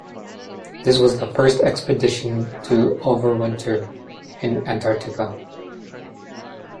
This was the first expedition to overwinter in Antarctica.